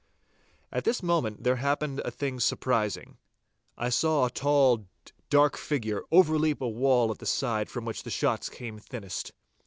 At this moment there happened a thing surprising. I saw a tall, dark figure overleap a wall at the side from which the shots came thinnest.